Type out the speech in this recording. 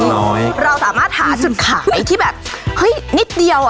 น้อยเราสามารถหาจุดขายที่แบบเฮ้ยนิดเดียวอ่ะ